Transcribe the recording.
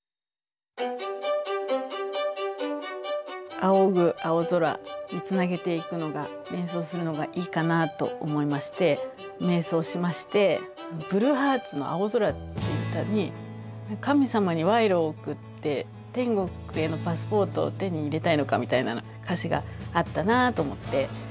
「仰ぐ青空」につなげていくのが連想するのがいいかなと思いまして迷走しましてブルーハーツの「青空」っていう歌に神様に賄賂を贈って天国へのパスポートを手に入れたいのかみたいな歌詞があったなと思って。